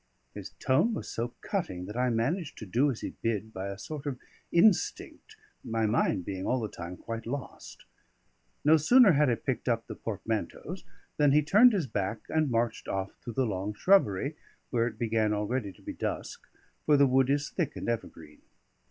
His tone was so cutting that I managed to do as he bid by a sort of instinct, my mind being all the time quite lost. No sooner had I picked up the portmanteaus than he turned his back and marched off through the long shrubbery, where it began already to be dusk, for the wood is thick and evergreen.